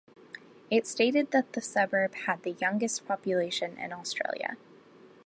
It stated that the suburb had the youngest population in Australia.